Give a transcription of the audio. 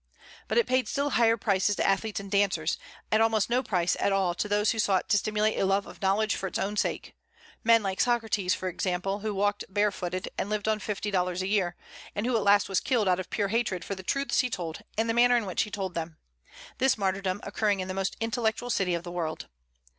But it paid still higher prices to athletes and dancers, and almost no price at all to those who sought to stimulate a love of knowledge for its own sake, men like Socrates, for example, who walked barefooted, and lived on fifty dollars a year, and who at last was killed out of pure hatred for the truths he told and the manner in which he told them, this martyrdom occurring in the most intellectual city of the world.